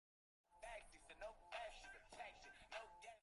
O‘zbekiston prezidentligiga uchinchi nomzod ham ma’lum bo‘ldi